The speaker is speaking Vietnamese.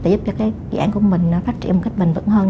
để giúp cho cái dự án của mình phát triển một cách bình vật hơn